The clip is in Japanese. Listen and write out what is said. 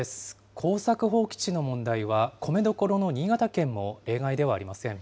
耕作放棄地の問題は米どころの新潟県も例外ではありません。